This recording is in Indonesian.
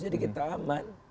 jadi kita aman